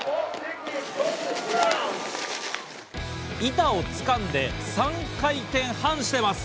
板を掴んで３回転半してます。